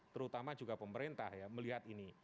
terutama juga pemerintah ya melihat ini